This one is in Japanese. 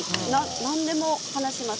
なんでも話します。